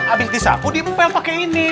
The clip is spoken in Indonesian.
abis disapu diempel pakai ini